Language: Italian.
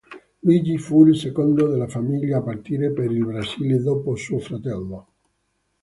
Luigi fu il secondo della famiglia a partire per il Brasile, dopo suo fratello.